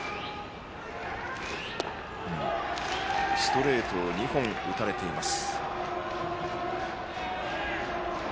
ストレートを２本打たれています。